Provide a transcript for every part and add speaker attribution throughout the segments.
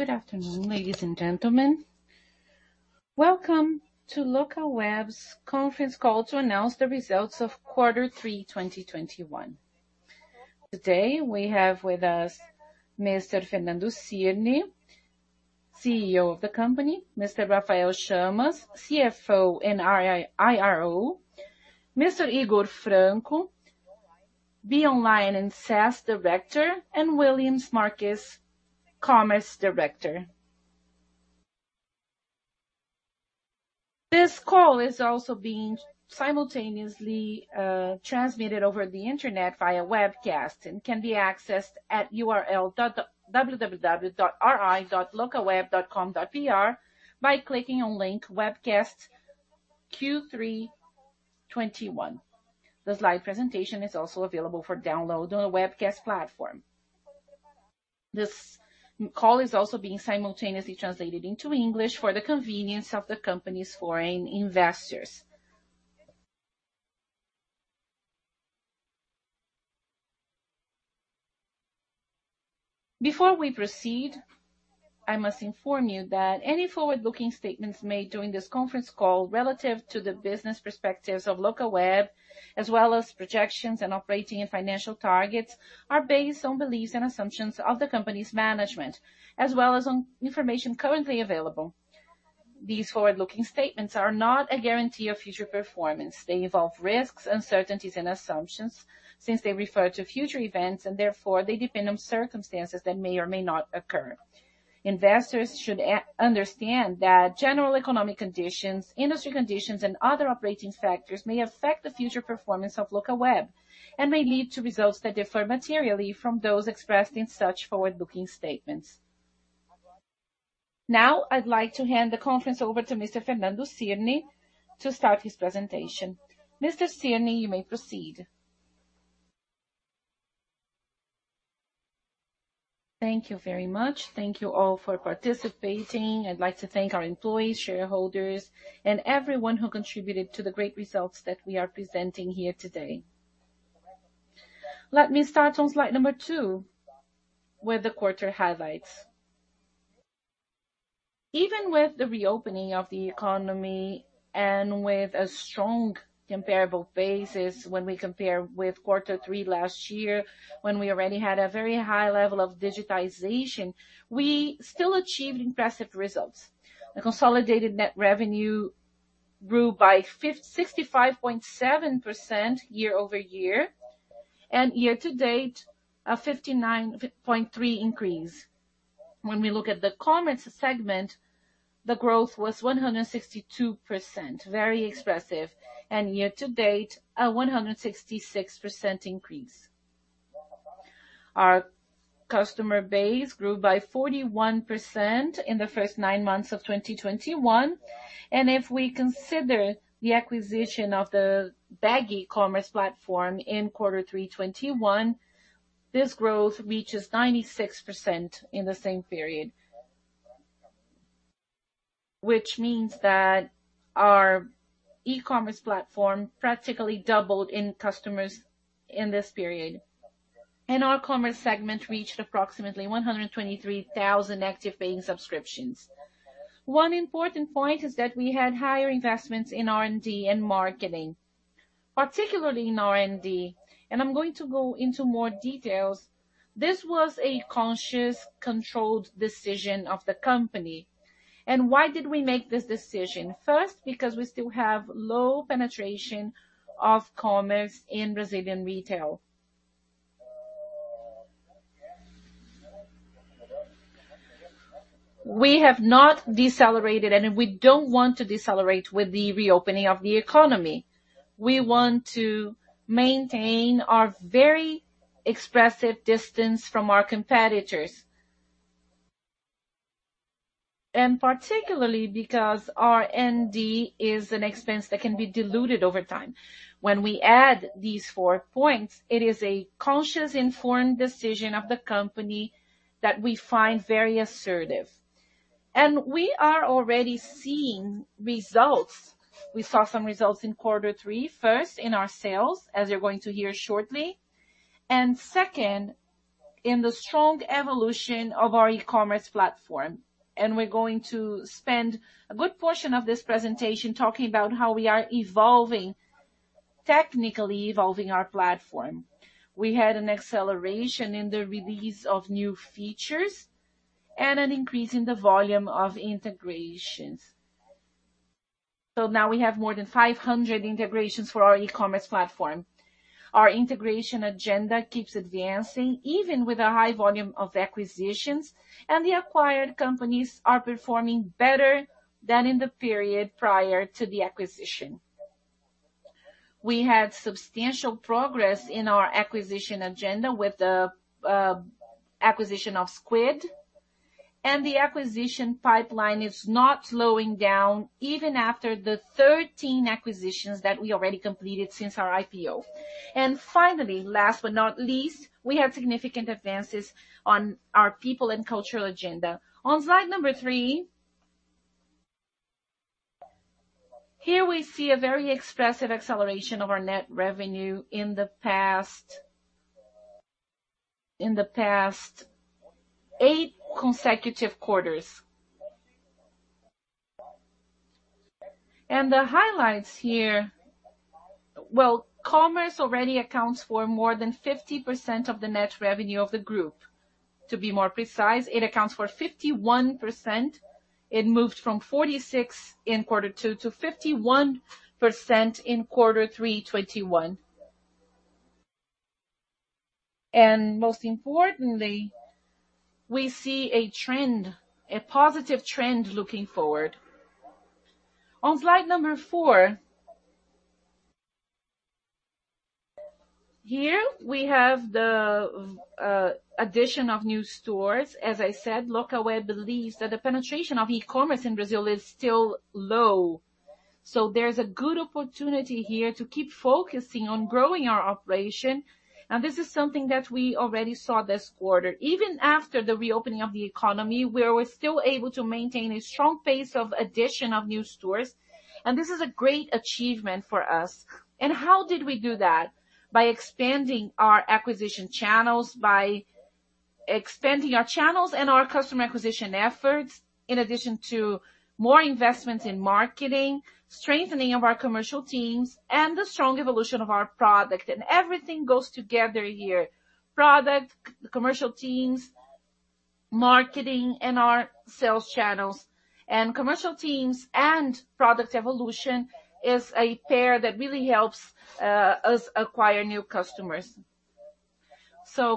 Speaker 1: Good afternoon, ladies and gentlemen. Welcome to Locaweb's conference call to announce the results of quarter 3 2021. Today we have with us Mr. Fernando Cirne, CEO of the company. Mr. Rafael Chamas, CFO and IRO. Mr. Higor Franco, BeOnline and SaaS Director, and Willians Marques, Commerce Director. This call is also being simultaneously transmitted over the internet via webcast and can be accessed at URL www.ri.locaweb.com.br by clicking on link Webcast Q3 2021. The slide presentation is also available for download on the webcast platform. This call is also being simultaneously translated into English for the convenience of the company's foreign investors. Before we proceed, I must inform you that any forward-looking statements made during this conference call relative to the business perspectives of Locaweb, as well as projections and operating and financial targets, are based on beliefs and assumptions of the company's management, as well as on information currently available. These forward-looking statements are not a guarantee of future performance. They involve risks, uncertainties and assumptions, since they refer to future events and therefore they depend on circumstances that may or may not occur. Investors should understand that general economic conditions, industry conditions, and other operating factors may affect the future performance of Locaweb and may lead to results that differ materially from those expressed in such forward-looking statements. Now, I'd like to hand the conference over to Mr. Fernando Cirne to start his presentation. Mr. Cirne, you may proceed. Thank you very much. Thank you all for participating.
Speaker 2: I'd like to thank our employees, shareholders, and everyone who contributed to the great results that we are presenting here today. Let me start on slide number 2, with the quarter highlights. Even with the reopening of the economy and with a strong comparable basis when we compare with quarter 3 last year, when we already had a very high level of digitization, we still achieved impressive results. The consolidated net revenue grew by 65.7% year-over-year, and year to date, a 59.3% increase. When we look at the commerce segment, the growth was 162%, very expressive, and year to date, a 166% increase. Our customer base grew by 41% in the first 9 months of 2021, and if we consider the acquisition of the Bagy e-commerce platform in quarter 3 2021, this growth reaches 96% in the same period. Our e-commerce platform practically doubled in customers in this period. Our commerce segment reached approximately 123,000 active paying subscriptions. One important point is that we had higher investments in R&D and marketing. Particularly in R&D, I'm going to go into more details. This was a conscious, controlled decision of the company. Why did we make this decision? First, because we still have low penetration of commerce in Brazilian retail. We have not decelerated, and we don't want to decelerate with the reopening of the economy. We want to maintain our very expressive distance from our competitors. Particularly because R&D is an expense that can be diluted over time. When we add these four points, it is a conscious, informed decision of the company that we find very assertive. We are already seeing results. We saw some results in quarter three, first in our sales, as you're going to hear shortly, and second, in the strong evolution of our e-commerce platform. We're going to spend a good portion of this presentation talking about how we are evolving, technically evolving our platform. We had an acceleration in the release of new features and an increase in the volume of integrations. Now we have more than 500 integrations for our e-commerce platform. Our integration agenda keeps advancing, even with a high volume of acquisitions, and the acquired companies are performing better than in the period prior to the acquisition. We had substantial progress in our acquisition agenda with the acquisition of Squid, and the acquisition pipeline is not slowing down even after the 13 acquisitions that we already completed since our IPO. Finally, last but not least, we had significant advances on our people and cultural agenda. On slide number 3. Here we see a very expressive acceleration of our net revenue in the past 8 consecutive quarters. The highlights here. Well, commerce already accounts for more than 50% of the net revenue of the group. To be more precise, it accounts for 51%. It moved from 46% in quarter 2 to 51% in quarter 3 '21. Most importantly, we see a positive trend looking forward. On slide number 4. Here we have the addition of new stores. As I said, Locaweb believes that the penetration of e-commerce in Brazil is still low. There's a good opportunity here to keep focusing on growing our operation, and this is something that we already saw this quarter. Even after the reopening of the economy, we were still able to maintain a strong pace of addition of new stores, this is a great achievement for us. How did we do that? By expanding our acquisition channels, by expanding our channels and our customer acquisition efforts, in addition to more investments in marketing, strengthening of our commercial teams, and the strong evolution of our product. Everything goes together here, product, commercial teams, marketing, and our sales channels. Commercial teams and product evolution is a pair that really helps us acquire new customers.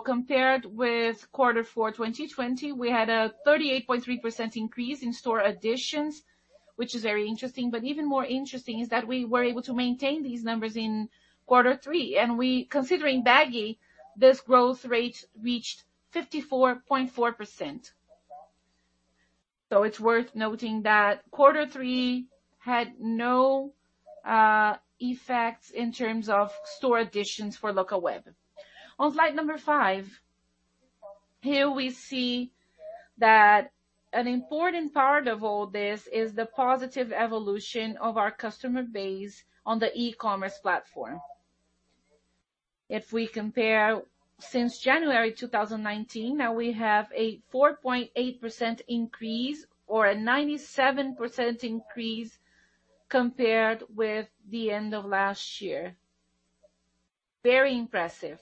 Speaker 2: Compared with quarter four 2020, we had a 38.3% increase in store additions, which is very interesting. Even more interesting is that we were able to maintain these numbers in quarter three. Considering Bagy, this growth rate reached 54.4%. It's worth noting that quarter 3 had no effects in terms of store additions for Locaweb. On slide number 5. Here we see that an important part of all this is the positive evolution of our customer base on the e-commerce platform. If we compare since January 2019, now we have a 4.8% increase or a 97% increase compared with the end of last year. Very impressive.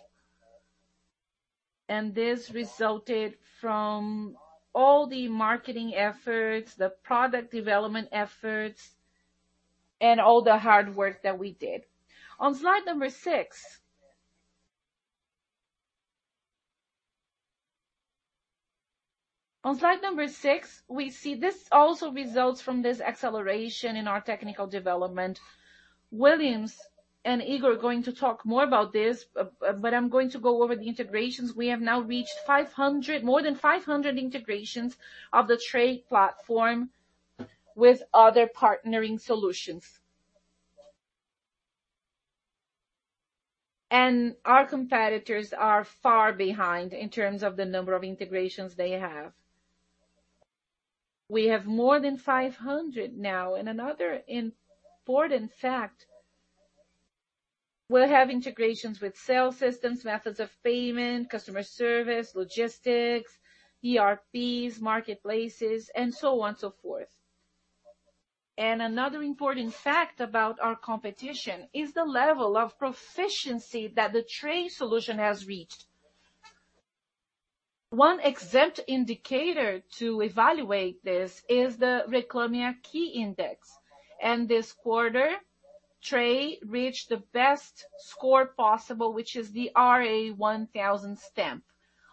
Speaker 2: This resulted from all the marketing efforts, the product development efforts, and all the hard work that we did. On slide number 6. On slide number 6, we see this also results from this acceleration in our technical development. Willians and Higor are going to talk more about this, but I'm going to go over the integrations. We have now reached more than 500 integrations of the Tray platform with other partnering solutions. Our competitors are far behind in terms of the number of integrations they have. We have more than 500 now. Another important fact, we have integrations with sales systems, methods of payment, customer service, logistics, ERPs, marketplaces, and so on and so forth. Another important fact about our competition is the level of proficiency that the Tray solution has reached. One exempt indicator to evaluate this is the Reclame AQUI index, this quarter Tray reached the best score possible, which is the RA 1000 stamp.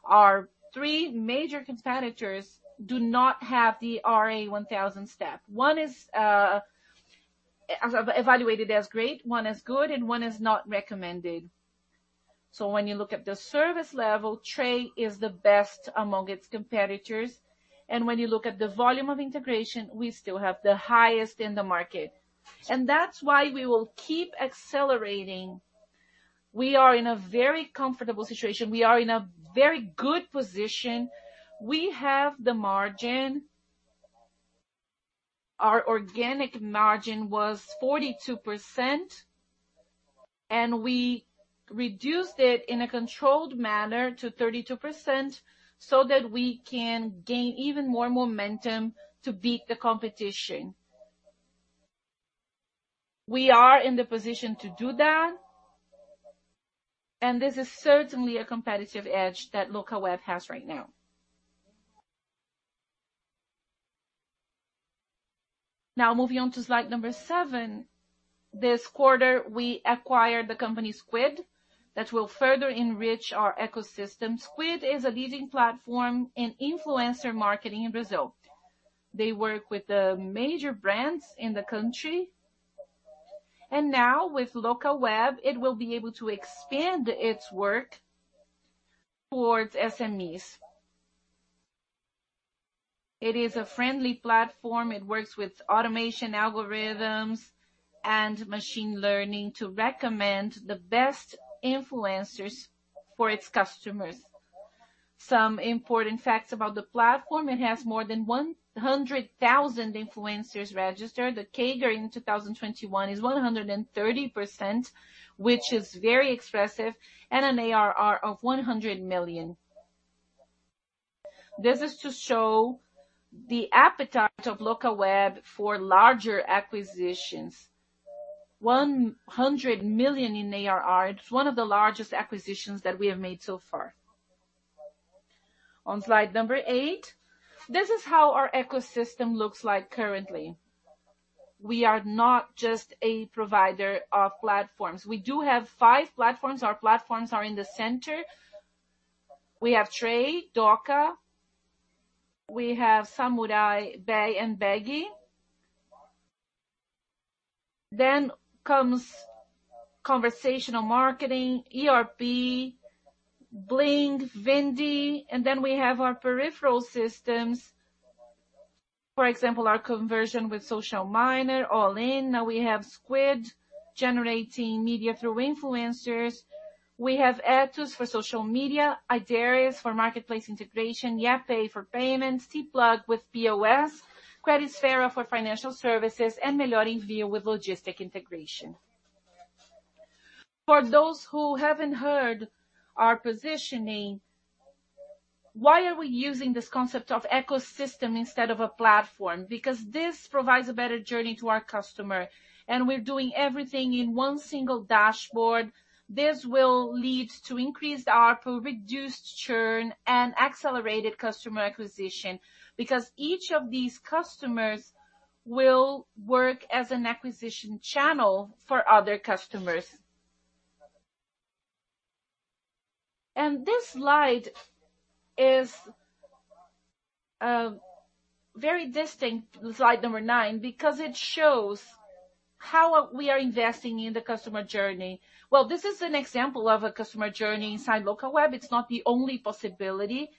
Speaker 2: Our three major competitors do not have the RA 1000 stamp. One is evaluated as great, one as good, and one is not recommended. When you look at the service level, Tray is the best among its competitors. When you look at the volume of integration, we still have the highest in the market. That's why we will keep accelerating. We are in a very comfortable situation. We are in a very good position. We have the margin. Our organic margin was 42%, and we reduced it in a controlled manner to 32% so that we can gain even more momentum to beat the competition. We are in the position to do that, and this is certainly a competitive edge that Locaweb has right now. Moving on to slide number 7. This quarter, we acquired the company Squid that will further enrich our ecosystem. Squid is a leading platform in influencer marketing in Brazil. They work with the major brands in the country. With Locaweb, it will be able to expand its work towards SMEs. It is a friendly platform. It works with automation algorithms and machine learning to recommend the best influencers for its customers. Some important facts about the platform. It has more than 100,000 influencers registered. The CAGR in 2021 is 130%, which is very expressive, and an ARR of 100 million. This is to show the appetite of Locaweb for larger acquisitions. 100 million in ARR, it's one of the largest acquisitions that we have made so far. On slide number 8, this is how our ecosystem looks like currently. We are not just a provider of platforms. We do have 5 platforms. Our platforms are in the center. We have Tray, Dooca. We have Samurai, Bay, and Bagy. Comes conversational marketing, ERP, Bling, Vindi, and then we have our peripheral systems. For example, our conversion with Social Miner, Allin. We have Squid generating media through influencers. We have Etus for social media, Ideris for marketplace integration, Yapay for payments, Connectplug with POS, Credisfera for financial services, and Melhor Envio with logistic integration. For those who haven't heard our positioning, why are we using this concept of ecosystem instead of a platform? Because this provides a better journey to our customer, and we're doing everything in one single dashboard. This will lead to increased ARPU, reduced churn, and accelerated customer acquisition, because each of these customers will work as an acquisition channel for other customers. This slide is very distinct, slide number 9, because it shows how we are investing in the customer journey. This is an example of a customer journey inside Locaweb. It's not the only possibility,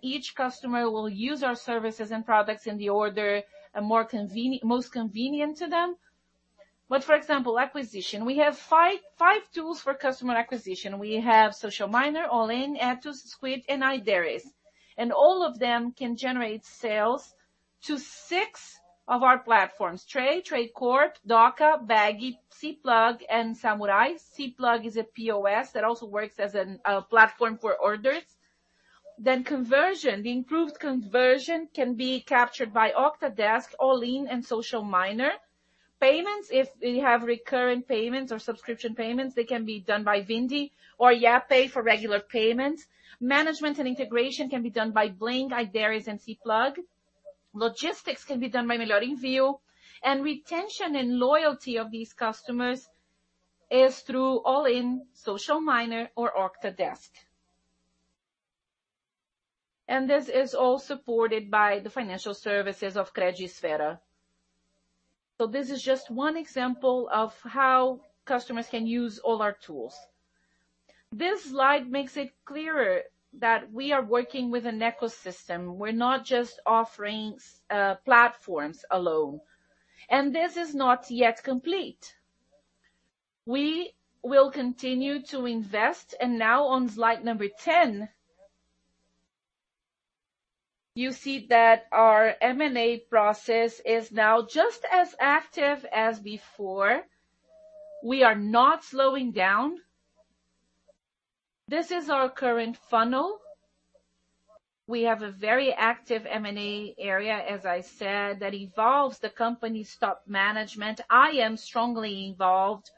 Speaker 2: each customer will use our services and products in the order most convenient to them. For example, acquisition. We have 5 tools for customer acquisition. We have Social Miner, Allin, Etus, Squid, and Ideris. All of them can generate sales to 6 of our platforms. Tray Corp, Dooca, Bagy, Cplug, and Samurai. Cplug is a POS that also works as a platform for orders. Conversion. The improved conversion can be captured by Octadesk, Allin, and Social Miner. Payments, if you have recurring payments or subscription payments, they can be done by Vindi or Yapay for regular payments. Management and integration can be done by Bling, Ideris, and Cplug. Logistics can be done by Melhor Envio. Retention and loyalty of these customers is through Allin, Social Miner, or Octadesk. This is all supported by the financial services of Credisfera. This is just 1 example of how customers can use all our tools. This slide makes it clearer that we are working with an ecosystem. We're not just offering platforms alone. This is not yet complete. We will continue to invest. Now on slide number 10, you see that our M&A process is now just as active as before. We are not slowing down. This is our current funnel. We have a very active M&A area, as I said, that involves the company's top management. I am strongly involved,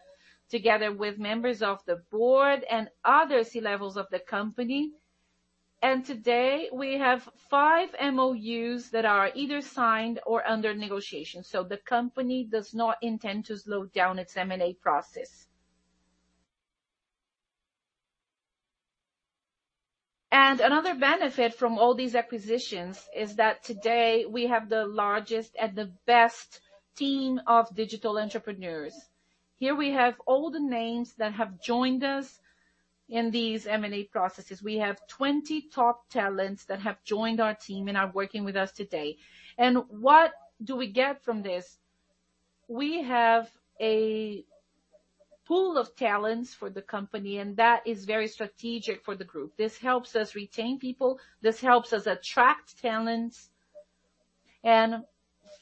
Speaker 2: together with members of the board and other C-levels of the company. Today, we have 5 MOUs that are either signed or under negotiation. The company does not intend to slow down its M&A process. Another benefit from all these acquisitions is that today, we have the largest and the best team of digital entrepreneurs. Here we have all the names that have joined us in these M&A processes. We have 20 top talents that have joined our team and are working with us today. What do we get from this? We have a pool of talents for the company, that is very strategic for the group. This helps us retain people, this helps us attract talents,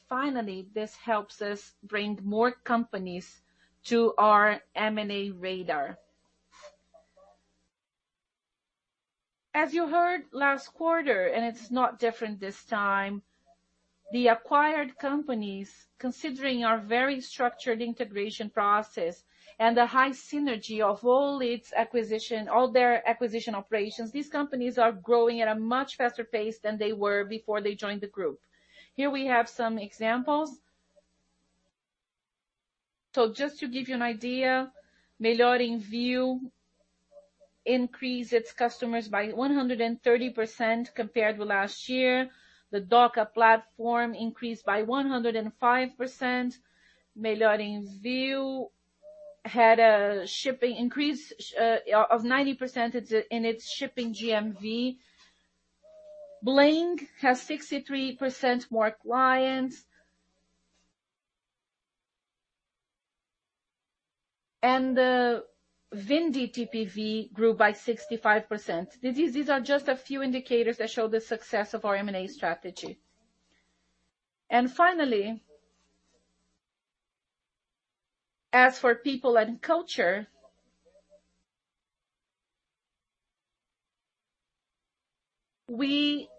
Speaker 2: finally, this helps us bring more companies to our M&A radar. As you heard last quarter, it's not different this time, the acquired companies, considering our very structured integration process and the high synergy of all their acquisition operations, these companies are growing at a much faster pace than they were before they joined the group. Here we have some examples. Just to give you an idea, Melhor Envio increased its customers by 130% compared with last year. The Dooca platform increased by 105%. Melhor Envio had a shipping increase of 90% in its shipping GMV. Bling has 63% more clients. The Vindi TPV grew by 65%. These are just a few indicators that show the success of our M&A strategy. Finally, as for people and culture, we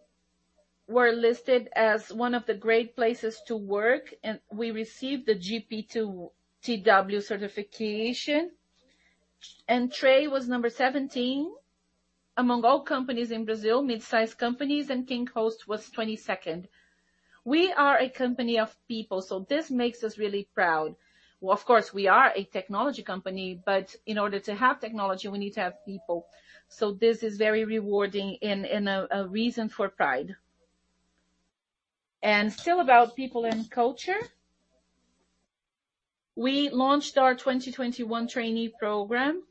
Speaker 2: were listed as one of the great places to work, and we received the GPTW certification. Tray was number 17 among all companies in Brazil, mid-size companies, and KingHost was 22nd. We are a company of people, so this makes us really proud. Well, of course we are a technology company, but in order to have technology, we need to have people. This is very rewarding and a reason for pride. Still about people and culture, we launched our 2021 trainee program,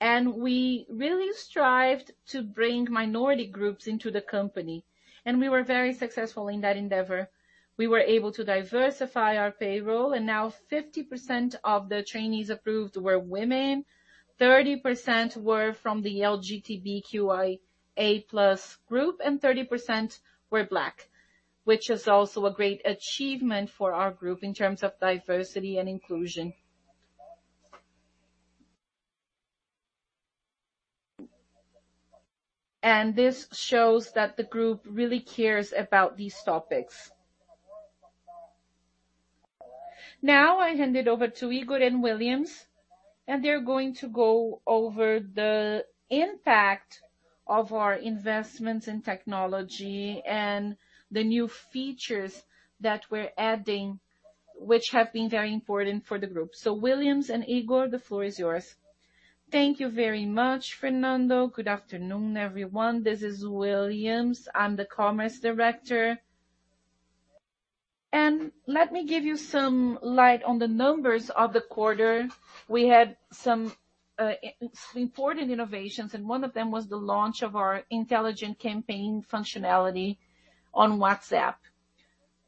Speaker 2: and we really strived to bring minority groups into the company. We were very successful in that endeavor. We were able to diversify our payroll. Now 50% of the trainees approved were women, 30% were from the LGBTQIA+ group, 30% were Black, which is also a great achievement for our group in terms of diversity and inclusion. This shows that the group really cares about these topics. Now, I hand it over to Higor and Willians. They're going to go over the impact of our investments in technology and the new features that we're adding, which have been very important for the group. Willians and Higor, the floor is yours.
Speaker 3: Thank you very much, Fernando. Good afternoon, everyone. This is Willians. I'm the Commerce Director. Let me give you some light on the numbers of the quarter. We had some important innovations. One of them was the launch of our intelligent campaign functionality on WhatsApp.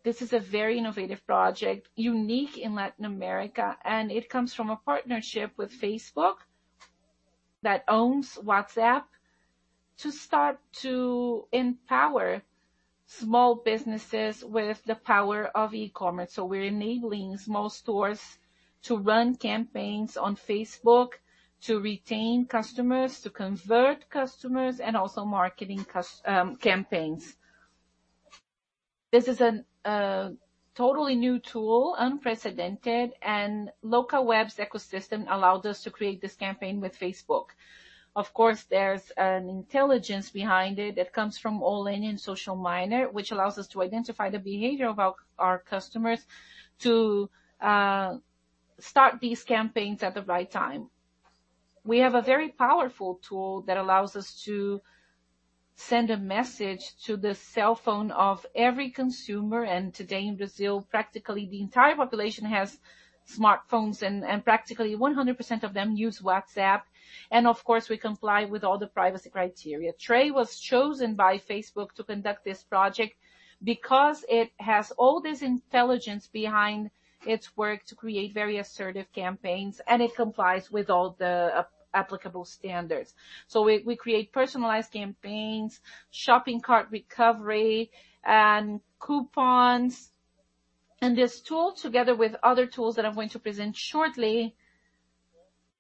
Speaker 3: This is a very innovative project, unique in Latin America. It comes from a partnership with Facebook that owns WhatsApp to start to empower small businesses with the power of e-commerce. We're enabling small stores to run campaigns on Facebook to retain customers, to convert customers, and also marketing campaigns. This is a totally new tool, unprecedented. Locaweb's ecosystem allowed us to create this campaign with Facebook. Of course, there's an intelligence behind it that comes from Allin and Social Miner, which allows us to identify the behavior of our customers to start these campaigns at the right time. We have a very powerful tool that allows us to send a message to the cell phone of every consumer. Today in Brazil, practically the entire population has smartphones, and practically 100% of them use WhatsApp. Of course, we comply with all the privacy criteria. Tray was chosen by Facebook to conduct this project because it has all this intelligence behind its work to create very assertive campaigns, and it complies with all the applicable standards. We create personalized campaigns, shopping cart recovery, and coupons. This tool, together with other tools that I'm going to present shortly,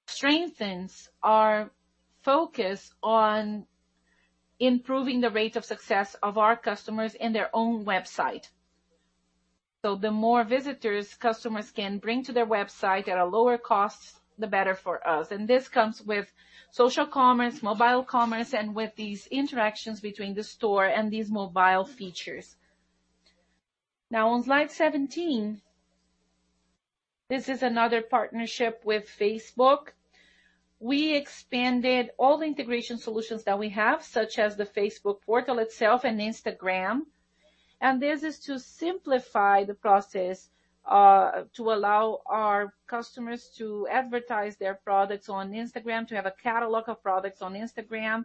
Speaker 3: strengthens our focus on improving the rate of success of our customers in their own website. The more visitors customers can bring to their website at a lower cost, the better for us. This comes with social commerce, mobile commerce, and with these interactions between the store and these mobile features. On slide 17. This is another partnership with Facebook. We expanded all the integration solutions that we have, such as the Facebook portal itself and Instagram. This is to simplify the process to allow our customers to advertise their products on Instagram, to have a catalog of products on Instagram,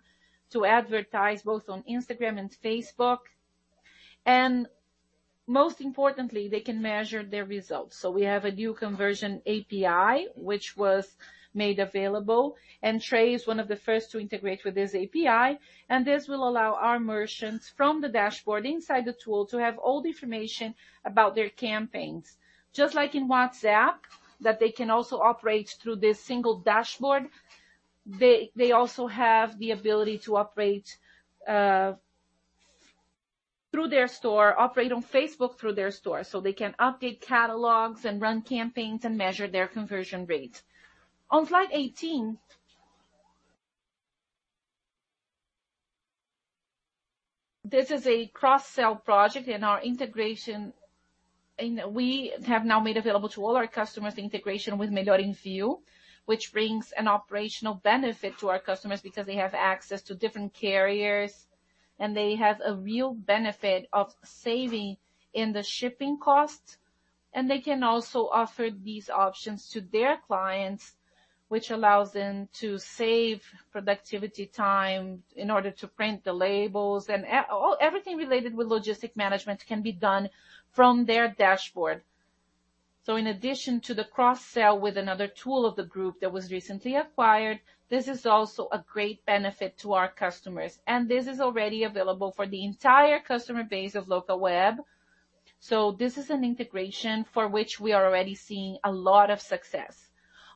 Speaker 3: to advertise both on Instagram and Facebook. Most importantly, they can measure their results. We have a new conversion API, which was made available. Tray is one of the first to integrate with this API, and this will allow our merchants from the dashboard inside the tool to have all the information about their campaigns. Just like in WhatsApp, that they can also operate through this single dashboard. They also have the ability to operate through their store, operate on Facebook through their store, so they can update catalogs and run campaigns and measure their conversion rate. On slide 18. This is a cross-sell project, and we have now made available to all our customers integration with Melhor Envio, which brings an operational benefit to our customers because they have access to different carriers, and they have a real benefit of saving in the shipping cost. They can also offer these options to their clients, which allows them to save productivity time in order to print the labels and everything related with logistics management can be done from their dashboard. In addition to the cross-sell with another tool of the group that was recently acquired, this is also a great benefit to our customers, and this is already available for the entire customer base of Locaweb. This is an integration for which we are already seeing a lot of success.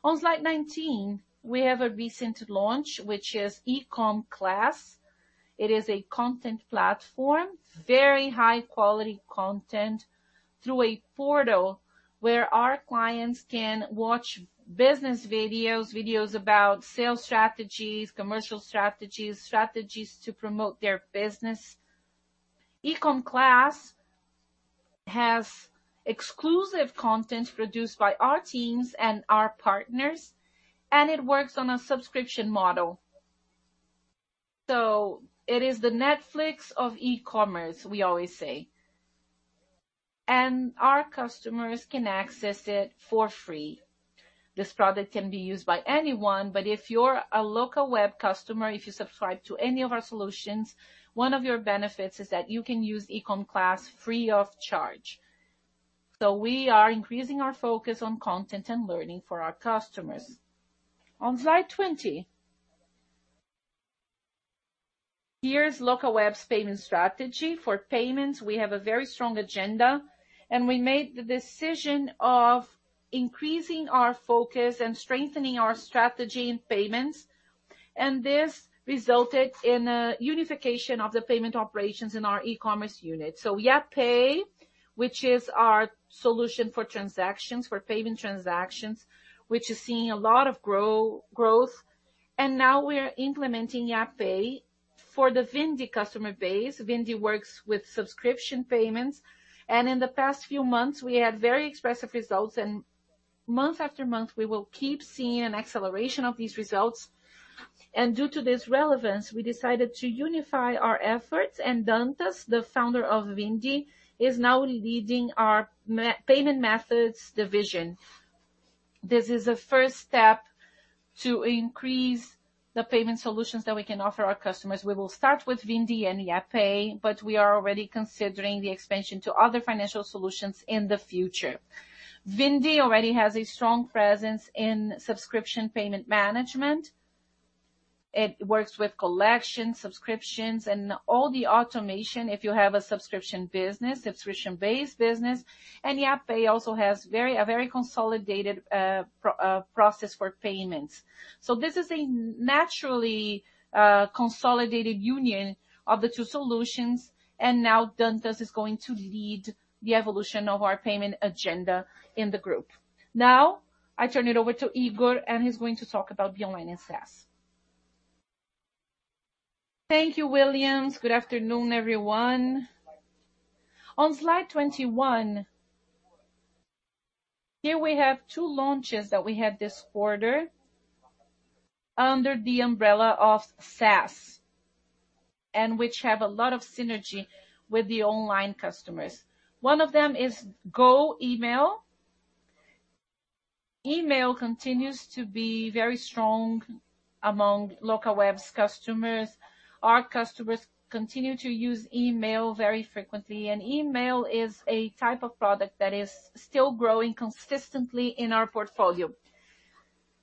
Speaker 3: On slide 19, we have a recent launch, which is EcomClass. It is a content platform, very high quality content through a portal where our clients can watch business videos about sales strategies, commercial strategies to promote their business. EcomClass has exclusive content produced by our teams and our partners, and it works on a subscription model. It is the Netflix of e-commerce, we always say. Our customers can access it for free. This product can be used by anyone, but if you're a Locaweb customer, if you subscribe to any of our solutions, one of your benefits is that you can use EcomClass free of charge. We are increasing our focus on content and learning for our customers. On slide 20, here's Locaweb's payment strategy. For payments, we have a very strong agenda. We made the decision of increasing our focus and strengthening our strategy in payments. This resulted in a unification of the payment operations in our e-commerce unit. Yapay, which is our solution for payment transactions, which is seeing a lot of growth. Now we're implementing Yapay for the Vindi customer base. Vindi works with subscription payments. In the past few months, we had very expressive results. Month after month, we will keep seeing an acceleration of these results. Due to this relevance, we decided to unify our efforts. Dantas, the founder of Vindi, is now leading our payment methods division. This is the first step to increase the payment solutions that we can offer our customers. We will start with Vindi and Yapay. We are already considering the expansion to other financial solutions in the future. Vindi already has a strong presence in subscription payment management. It works with collection, subscriptions, and all the automation if you have a subscription-based business. Yapay also has a very consolidated process for payments. This is a naturally consolidated union of the two solutions, and now Dantas is going to lead the evolution of our payment agenda in the group. Now, I turn it over to Higor, and he's going to talk about the BeOnline and SaaS. Thank you, Willians. Good afternoon, everyone. On slide 21, here we have two launches that we had this quarter under the umbrella of SaaS, and which have a lot of synergy with the online customers. One of them is GoEmail. Email continues to be very strong among Locaweb's customers.
Speaker 4: Our customers continue to use email very frequently, and email is a type of product that is still growing consistently in our portfolio.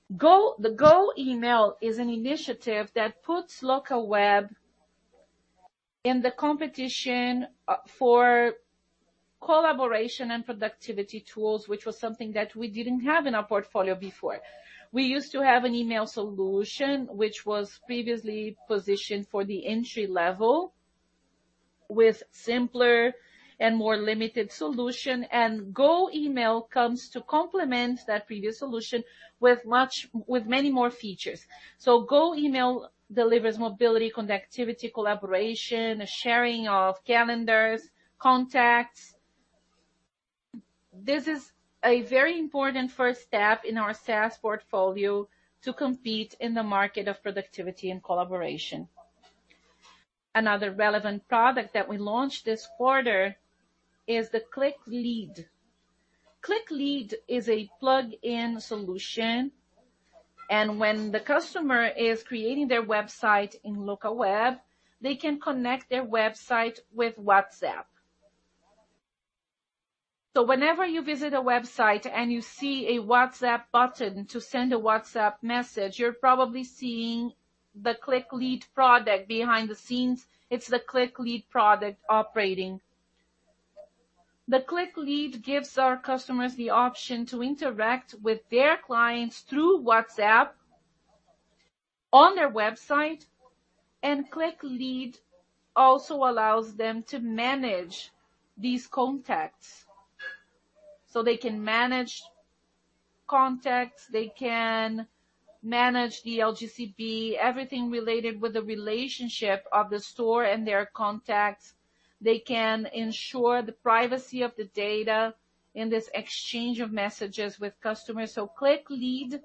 Speaker 4: The GoEmail is an initiative that puts Locaweb in the competition for collaboration and productivity tools, which was something that we didn't have in our portfolio before. We used to have an email solution, which was previously positioned for the entry-level with simpler and more limited solution, and GoEmail comes to complement that previous solution with many more features. GoEmail delivers mobility, connectivity, collaboration, sharing of calendars, contacts. This is a very important first step in our SaaS portfolio to compete in the market of productivity and collaboration. Another relevant product that we launched this quarter is the ClickLead. ClickLead is a plug-in solution, and when the customer is creating their website in Locaweb, they can connect their website with WhatsApp. Whenever you visit a website and you see a WhatsApp button to send a WhatsApp message, you're probably seeing the ClickLead product behind the scenes. It's the ClickLead product operating. The ClickLead gives our customers the option to interact with their clients through WhatsApp on their website, and ClickLead also allows them to manage these contacts. They can manage contacts, they can manage the LGPD, everything related with the relationship of the store and their contacts. They can ensure the privacy of the data in this exchange of messages with customers. ClickLead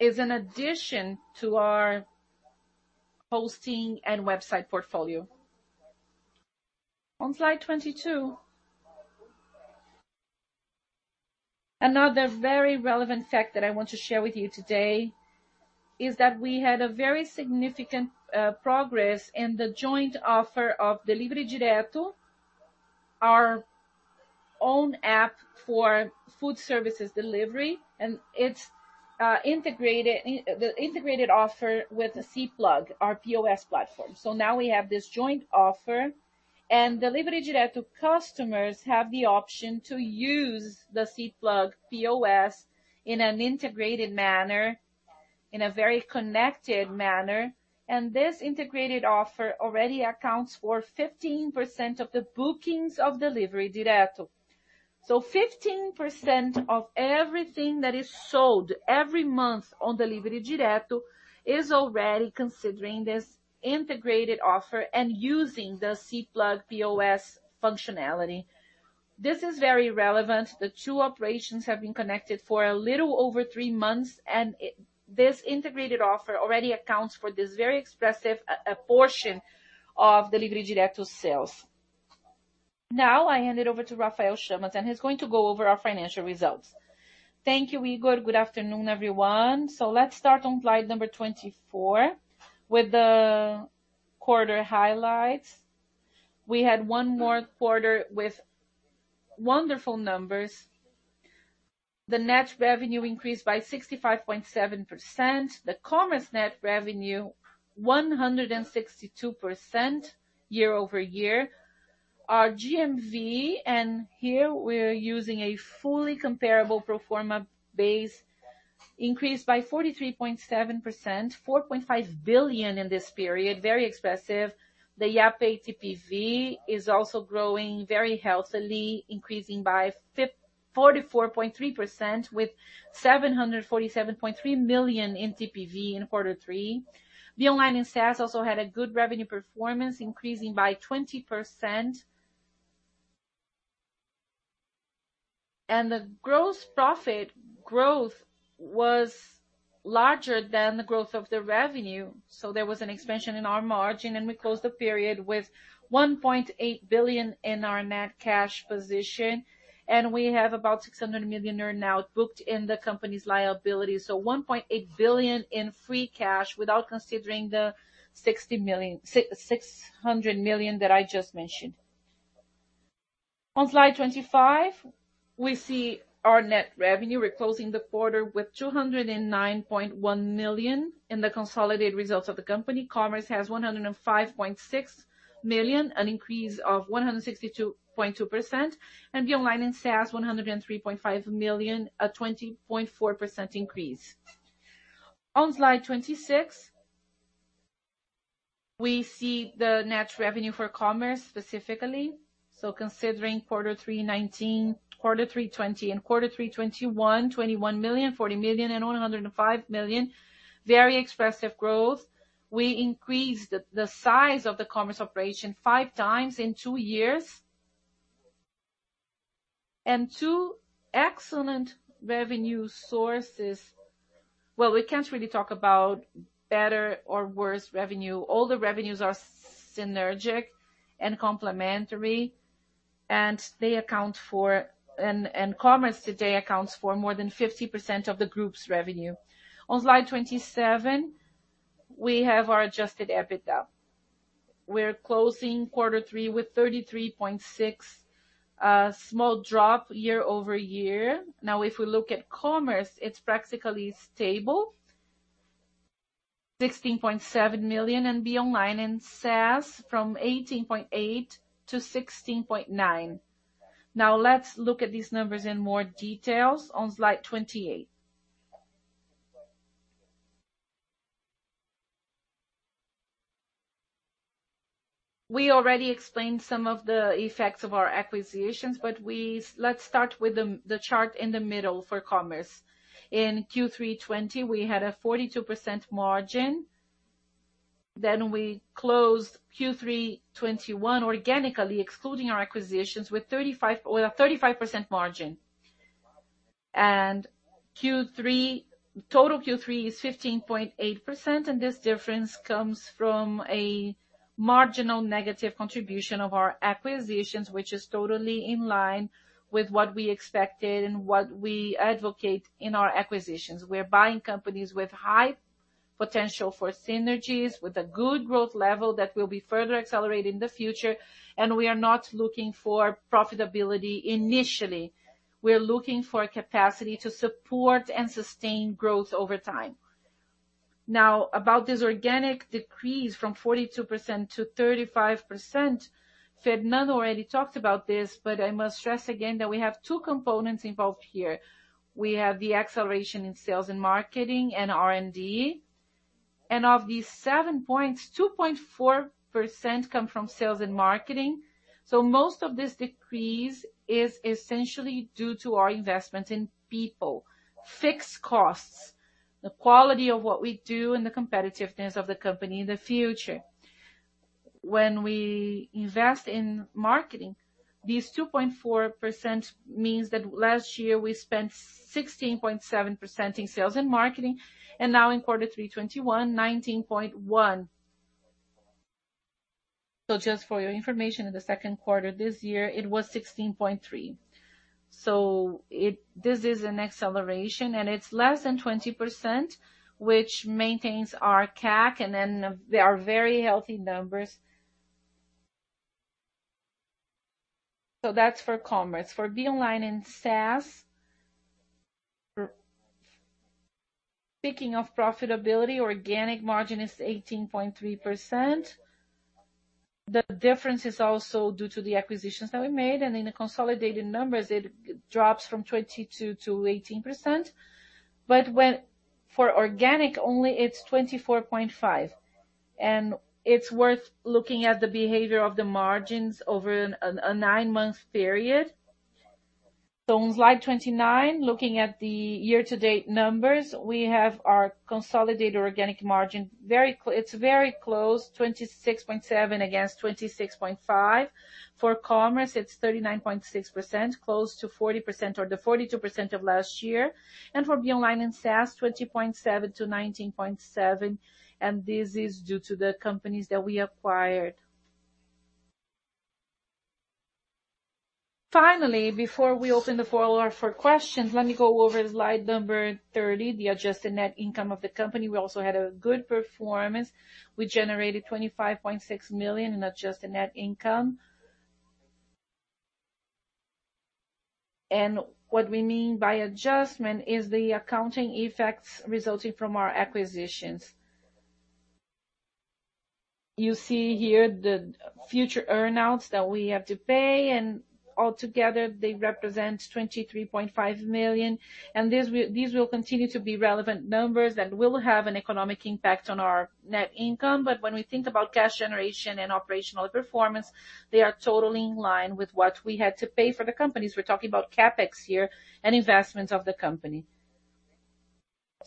Speaker 4: is an addition to our hosting and website portfolio. On slide 22. Another very relevant fact that I want to share with you today is that we had a very significant progress in the joint offer of Delivery Direto, our own app for food services delivery, and it's the integrated offer with CPlug, our POS platform. Now we have this joint offer, and Delivery Direto customers have the option to use the CPlug POS in an integrated manner, in a very connected manner. This integrated offer already accounts for 15% of the bookings of Delivery Direto. 15% of everything that is sold every month on Delivery Direto is already considering this integrated offer and using the CPlug POS functionality. This is very relevant. The two operations have been connected for a little over three months, and this integrated offer already accounts for this very expressive portion of Delivery Direto sales. I hand it over to Rafael Chamas, and he's going to go over our financial results. Thank you, Igor. Good afternoon, everyone. Let's start on slide number 24 with the quarter highlights. We had one more quarter with wonderful numbers. The net revenue increased by 65.7%.
Speaker 5: The commerce net revenue, 162% year-over-year. Our GMV, and here we're using a fully comparable pro forma base, increased by 43.7%, 4.5 billion in this period, very expressive. The APP TPV is also growing very healthily, increasing by 44.3%, with 747.3 million in TPV in Q3. BeOnline and SaaS also had a good revenue performance, increasing by 20%. The gross profit growth was larger than the growth of the revenue. There was an expansion in our margin, and we closed the period with 1.8 billion in our net cash position. We have about 600 million now booked in the company's liability. 1.8 billion in free cash without considering the 600 million that I just mentioned. On slide 25, we see our net revenue. We're closing the quarter with 209.1 million in the consolidated results of the company. Commerce has 105.6 million, an increase of 162.2%. BeOnline and SaaS, 103.5 million, a 20.4% increase. On slide 26, we see the net revenue for Commerce specifically. Considering quarter 3 2019, quarter 3 2020, and quarter 3 2021, 21 million, 40 million, and 105 million. Very expressive growth. We increased the size of the Commerce operation five times in two years. Two excellent revenue sources. Well, we can't really talk about better or worse revenue. All the revenues are synergic and complementary, and Commerce today accounts for more than 50% of the group's revenue. On slide 27, we have our adjusted EBITDA. We're closing quarter three with 33.6 million, a small drop year-over-year. If we look at Commerce, it's practically stable, 16.7 million, and BeOnline and SaaS from 18.8 million to 16.9 million. Let's look at these numbers in more details on slide 28. We already explained some of the effects of our acquisitions. Let's start with the chart in the middle for commerce. In Q3 2020, we had a 42% margin. We closed Q3 2021 organically, excluding our acquisitions, with a 35% margin. Total Q3 is 15.8%, and this difference comes from a marginal negative contribution of our acquisitions, which is totally in line with what we expected and what we advocate in our acquisitions. We are buying companies with high potential for synergies, with a good growth level that will be further accelerated in the future. We are not looking for profitability initially. We are looking for a capacity to support and sustain growth over time. Now, about this organic decrease from 42% to 35%, Fernando already talked about this, but I must stress again that we have two components involved here. We have the acceleration in sales and marketing and R&D. Of these 7 points, 2.4% come from sales and marketing. Most of this decrease is essentially due to our investment in people, fixed costs, the quality of what we do, and the competitiveness of the company in the future. When we invest in marketingThese 2.4% means that last year we spent 16.7% in sales and marketing, and now in quarter three 2021, 19.1%. Just for your information, in the second quarter this year, it was 16.3%. This is an acceleration, and it's less than 20%, which maintains our CAC, and then they are very healthy numbers. That's for commerce. For BeOnline and SaaS, speaking of profitability, organic margin is 18.3%. The difference is also due to the acquisitions that we made, and in the consolidated numbers, it drops from 22% to 18%.
Speaker 1: For organic only, it's 24.5%. It's worth looking at the behavior of the margins over a nine-month period. On slide 29, looking at the year-to-date numbers, we have our consolidated organic margin. It's very close, 26.7% against 26.5%. For Commerce, it's 39.6%, close to 40% or the 42% of last year. For BeOnline and SaaS, 20.7% to 19.7%, this is due to the companies that we acquired. Finally, before we open the floor for questions, let me go over slide number 30, the adjusted net income of the company. We also had a good performance. We generated 25.6 million in adjusted net income. What we mean by adjustment is the accounting effects resulting from our acquisitions.
Speaker 6: You see here the future earn-outs that we have to pay. Altogether, they represent 23.5 million, and these will continue to be relevant numbers that will have an economic impact on our net income. When we think about cash generation and operational performance, they are totally in line with what we had to pay for the companies. We're talking about CapEx here and investments of the company.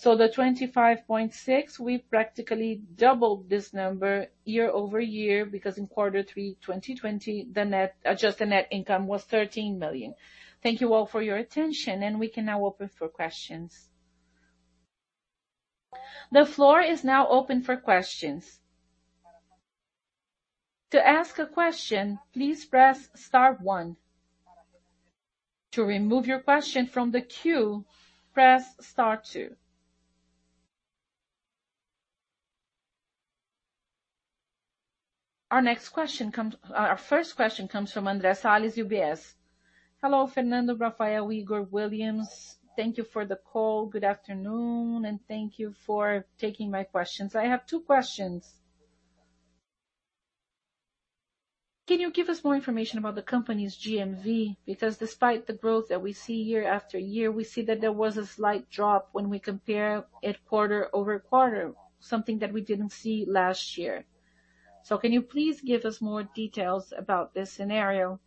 Speaker 6: The 25.6 million, we practically doubled this number year-over-year because in quarter three 2020, the adjusted net income was 13 million. Thank you all for your attention, and we can now open for questions. The floor is now open for questions. To ask a question, please press star one. To remove your question from the queue, press star two. Our first question comes from Andre Salles, UBS. Hello, Fernando, Rafael, Higor, Willians. Thank you for the call. Good afternoon. Thank you for taking my questions. I have two questions. Can you give us more information about the company's GMV? Despite the growth that we see year-after-year, we see that there was a slight drop when we compare it quarter-over-quarter, something that we didn't see last year. Can you please give us more details about this scenario?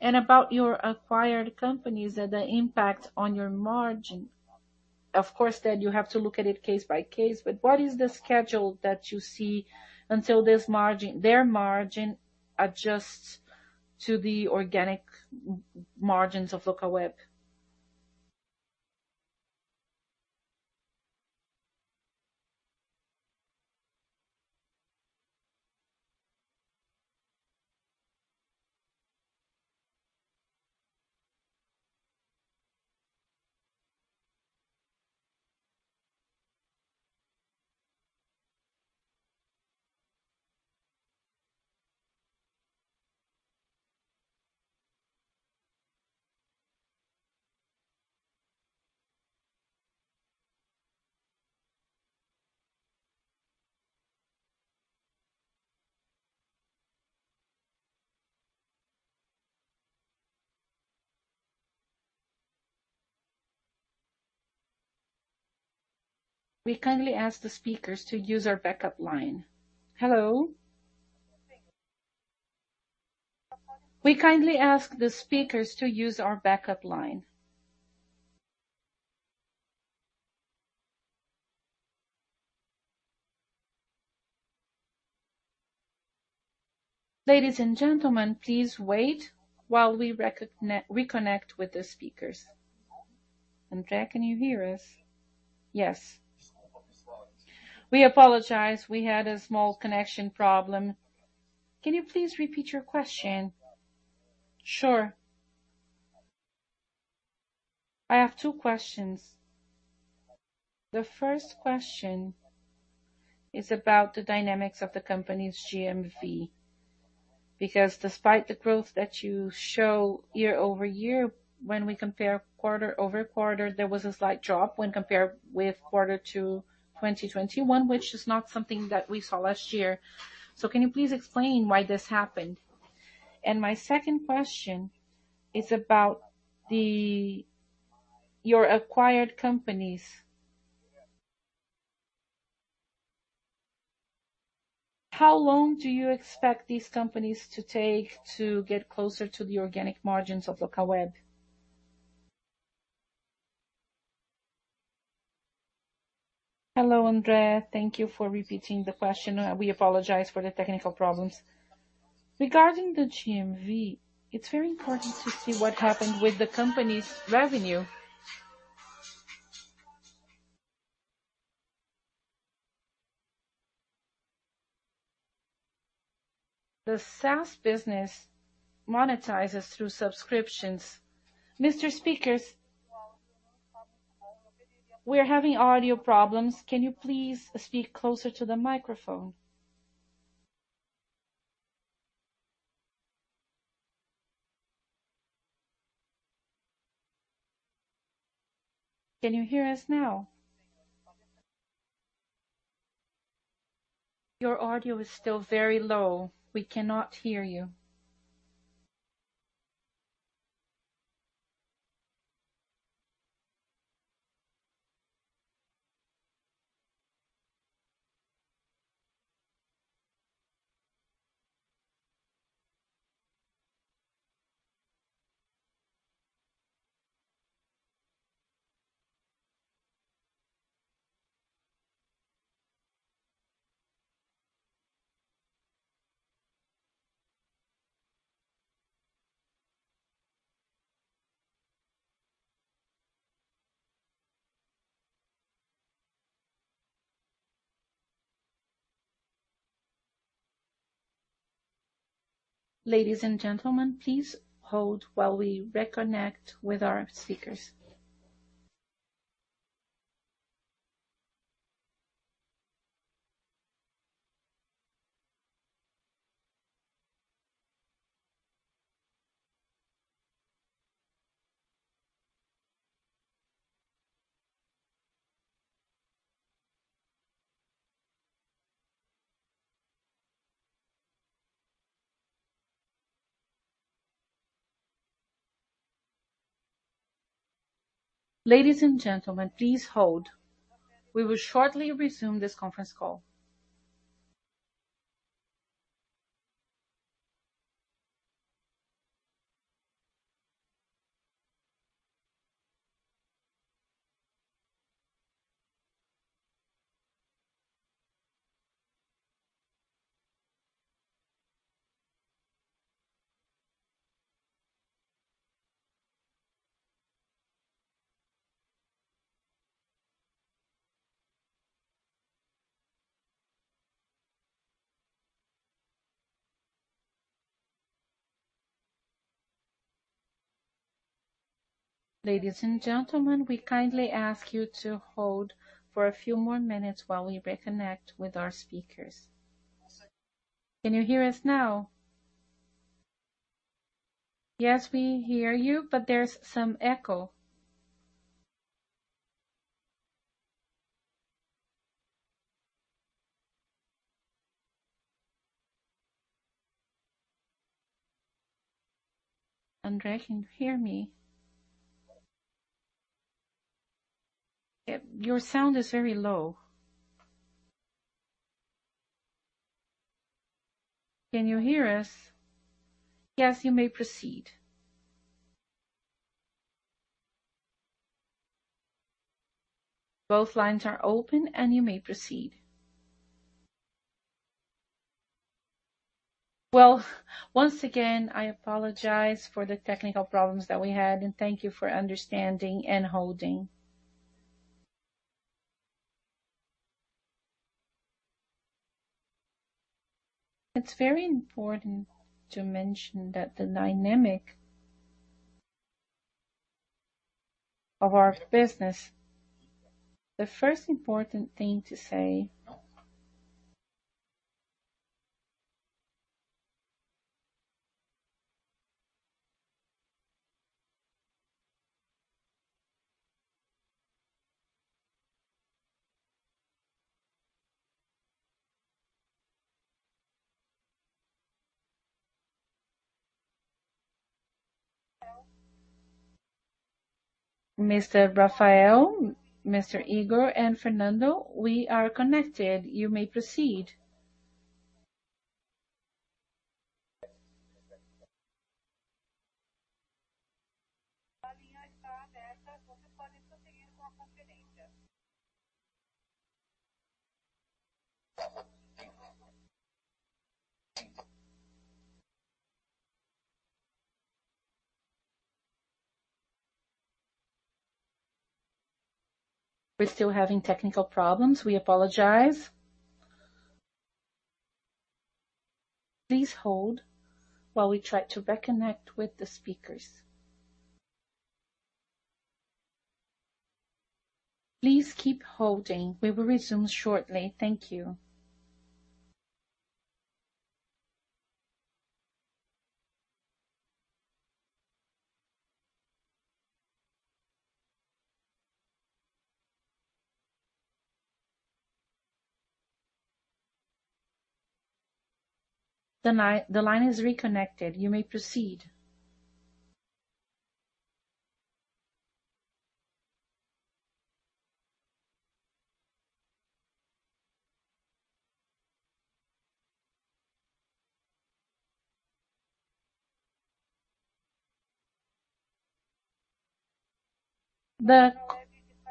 Speaker 6: About your acquired companies and the impact on your margin. Of course, then you have to look at it case by case, what is the schedule that you see until their margin adjusts to the organic margins of Locaweb? Andre, can you hear us? Yes. We apologize.
Speaker 5: We had a small connection problem. Can you please repeat your question? Sure. I have 2 questions. The first question is about the dynamics of the company's GMV. Despite the growth that you show year-over-year, when we compare quarter-over-quarter, there was a slight drop when compared with 2Q 2021, which is not something that we saw last year. Can you please explain why this happened? My second question is about your acquired companies. How long do you expect these companies to take to get closer to the organic margins of Locaweb? Hello, Andre. Thank you for repeating the question. We apologize for the technical problems. Regarding the GMV, it's very important to see what happened with the company's revenue. The SaaS business monetizes through subscriptions. Mr. Speakers, we're having audio problems. Can you please speak closer to the microphone? Can you hear us now? Your audio is still very low. We cannot hear you. Can you hear us now? Yes, we hear you, but there's some echo. Andre, can you hear me? Your sound is very low. Can you hear us? Yes, you may proceed. Both lines are open, and you may proceed. Once again, I apologize for the technical problems that we had, and thank you for understanding and holding. It's very important to mention that the dynamic of our business. The first important thing to say Mr. Rafael, Mr. Higor, and Fernando, we are connected. You may proceed. We're still having technical problems.
Speaker 1: The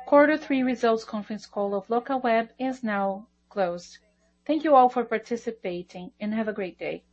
Speaker 1: quarter three results conference call of Locaweb is now closed. Thank you all for participating, and have a great day.